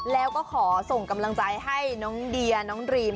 แล้วก็ขอส่งกำลังใจให้น้องเดียน้องดรีม